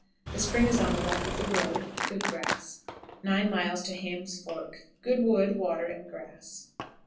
The spring is on the left of the road. Good grass. 9. Ham's Fork. Good wood, water, and grass.